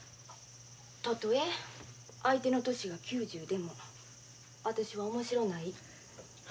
たとえ相手の年が９０でも私は面白うない。